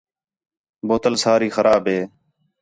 بوتل ساری خراب ہے